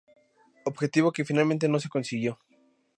Objetivo que finalmente no se consiguió.